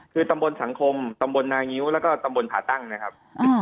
คือตำบลสังคมตำบลนางิ้วแล้วก็ตำบลผ่าตั้งนะครับ